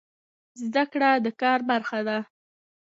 زده کړه د کار برخه ده